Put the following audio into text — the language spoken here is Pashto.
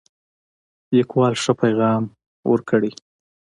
لیکوال ښه پیغام ورکړی.